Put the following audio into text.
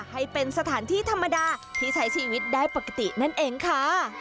ให้เป็นสถานที่ธรรมดาที่ใช้ชีวิตได้ปกตินั่นเองค่ะ